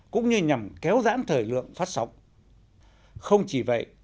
cũng như nhằm kéo dãn thời lượng phát sóng không chỉ vậy